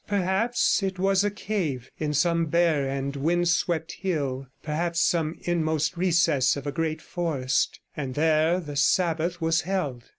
Perhaps it was a cave in some bare and windswept hill, perhaps some inmost recess of a great forest, and there the Sabbath was held.